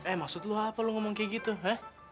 eh maksud lu apa lu ngomong kayak gitu eh